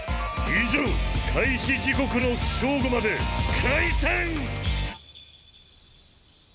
以上開始時刻の正午まで解散！